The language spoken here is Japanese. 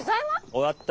終わった。